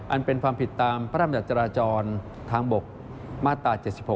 อันเป็นผิดตามพระรามจัตราจรทางบกมาตร๗๖